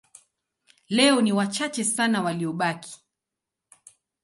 Leo ni wachache sana waliobaki.